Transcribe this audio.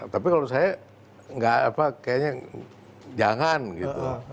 tapi kalau saya kayaknya jangan gitu